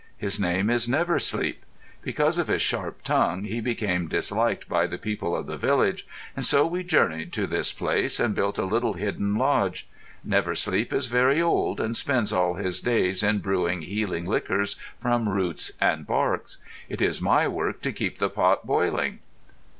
His name is Never Sleep. Because of his sharp tongue he became disliked by the people of the village, and so we journeyed to this place, and built a little hidden lodge. Never Sleep is very old, and spends all his days in brewing healing liquors from roots and barks. It is my work to keep the pot boiling."